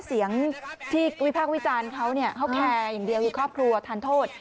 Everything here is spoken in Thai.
เสียงที่วิพากษ์วิจารณ์เขาเนี่ยเขาแคร์อย่างเดียวคือครอบครัวทานโทษ